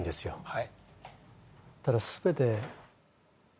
はい